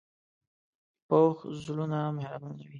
پوخ زړونه مهربانه وي